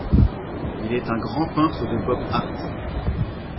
Il est un grand peintre de Pop art.